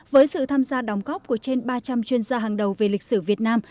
với sự tham gia đóng góp của trên ba trăm linh chuyên gia hàng đầu về lịch sử việt nam